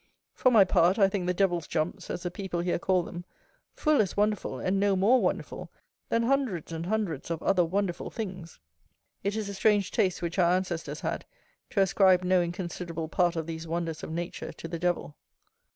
For my part, I think the "Devil's jumps," as the people here call them, full as wonderful and no more wonderful than hundreds and hundreds of other wonderful things. It is a strange taste which our ancestors had, to ascribe no inconsiderable part of these wonders of nature to the Devil.